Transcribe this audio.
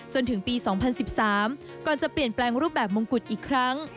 จนถึงปี๒๐๑๓ก่อนจะเปลี่ยนแปลงรูปแบบมงกุฎอีกครั้ง